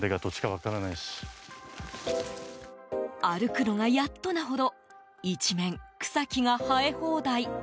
歩くのがやっとなほど一面、草木が生え放題。